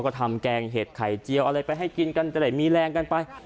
ก็ทำแกงเห็ดไข่เจียวอะไรไปให้กินกันจะได้มีแรงกันไป